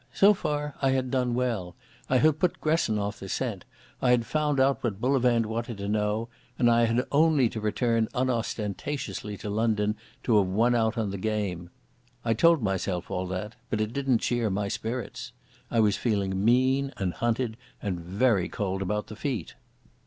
So far I had done well. I had put Gresson off the scent. I had found out what Bullivant wanted to know, and I had only to return unostentatiously to London to have won out on the game. I told myself all that, but it didn't cheer my spirits. I was feeling mean and hunted and very cold about the feet.